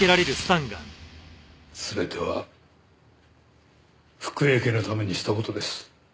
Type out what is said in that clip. すべては福栄家のためにした事です。